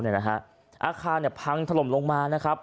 อาคารพังถล่มนิกอาหารลงมาเฮ้า